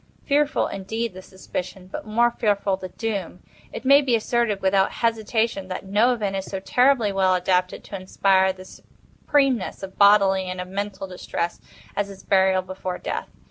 Fearful indeed the suspicion—but more fearful the doom! It may be asserted, without hesitation, that no event is so terribly well adapted to inspire the supremeness of bodily and of mental distress, as is burial before death.